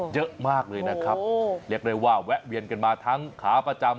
เยอะมากเลยนะครับเรียกได้ว่าแวะเวียนกันมาทั้งขาประจำ